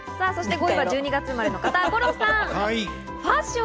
５位は１２月生まれの方、五郎さん。